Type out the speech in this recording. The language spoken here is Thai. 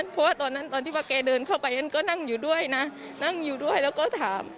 เพราะตอนที่มาเขาเดินเข้าไปเขาดูอยู่ด้วยเราก็ถาม